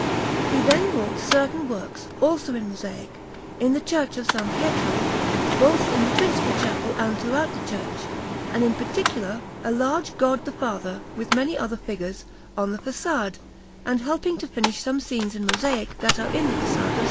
He then wrought certain works, also in mosaic, in the Church of S. Pietro, both in the principal chapel and throughout the church, and in particular a large God the Father, with many other figures, on the façade; and helping to finish some scenes in mosaic that are in the façade of S.